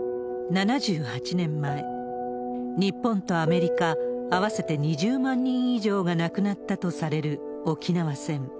７８年前、日本とアメリカ、合わせて２０万人以上が亡くなったとされる沖縄戦。